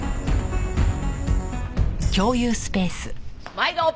毎度！